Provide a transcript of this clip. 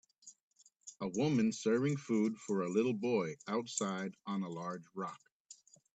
A woman serving food for a little boy outside on a large rock.